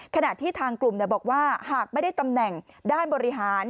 ขณะที่ทางกลุ่มบอกว่าหากไม่ได้ตำแหน่งด้านบริหาร